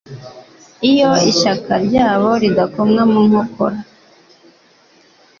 iyo ishyaka ryabo ridakomwa mu nkokora,